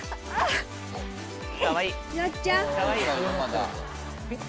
かわいい。